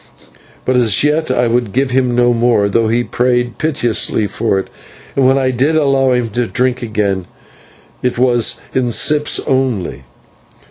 But as yet I would give him no more, though he prayed for it piteously, and when I did allow him to drink again it was in sips only.